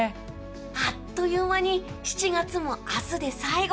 あっという間に７月も明日で最後。